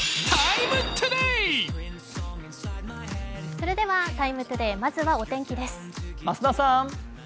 それでは「ＴＩＭＥ，ＴＯＤＡＹ」まずはお天気です。